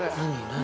何？